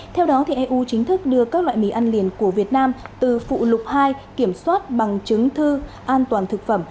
theo đó eu chính thức đưa các loại mì ăn liền của việt nam từ phụ lục hai kiểm soát bằng chứng thư an toàn thực phẩm